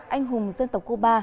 anh hùng dân tộc cuba